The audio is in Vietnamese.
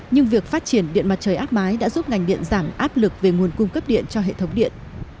nhưng việc phát triển điện mặt trời áp mái đã giúp ngành điện giảm áp lực về nguồn cung cấp điện cho hệ thống điện